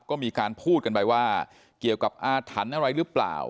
ก็มีการพูดกันไปว่าเกี่ยวกับอาถรรพ์อะไรหรือเปล่า